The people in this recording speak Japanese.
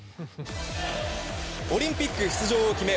オリンピック出場を決め